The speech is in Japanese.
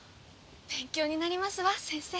勉強になりますわ先生。